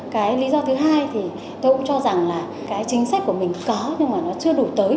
cái lý do thứ hai thì tôi cũng cho rằng là cái chính sách của mình có nhưng mà nó chưa đủ tới